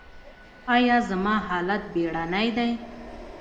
ایا زما حالت بیړنی دی؟